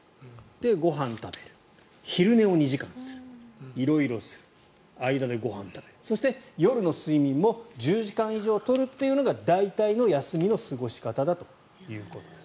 で、ご飯を食べる昼寝を２時間する、色々する間でご飯を食べるそして、夜の睡眠も１０時間以上取るというのが大体の休みの過ごし方だということです。